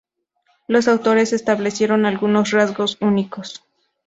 Los autores establecieron algunos rasgos únicos.